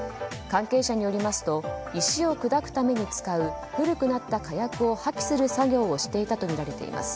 関係者によりますと石を砕くために使う古くなった火薬を破棄する作業をしていたとみられています。